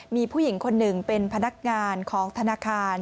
มีผู้หญิงคนหนึ่งเป็นพนักงานของธนาคาร